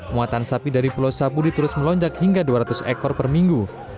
muatan sapi dari pulau sapudi terus melonjak hingga dua ratus ekor per minggu